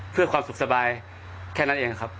เพื่อความสุขสบายแค่นั้นเองครับ